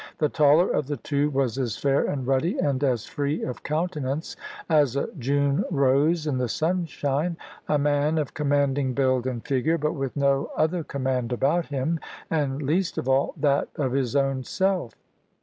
The taller of the two was as fair and ruddy, and as free of countenance as a June rose in the sunshine; a man of commanding build and figure, but with no other command about him, and least of all, that of his own self.